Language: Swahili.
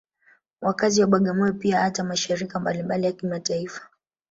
Wakazi wa Bagamoyo pia hata mashirika mbalimbali ya kimataifa